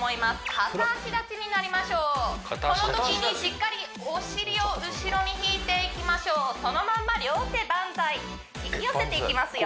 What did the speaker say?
片足立ちになりましょうこのときにしっかりお尻を後ろに引いていきましょうそのまま両手バンザイ引き寄せていきますよ